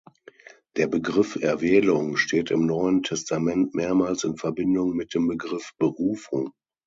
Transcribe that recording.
Der Begriff „Erwählung“ steht im Neuen Testament mehrmals in Verbindung mit dem Begriff „Berufung“.